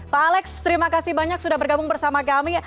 pak alex terima kasih banyak sudah bergabung bersama kami